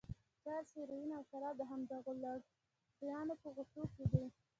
چرس، هيروين او شراب د همدغو لغړیانو په غوټو کې.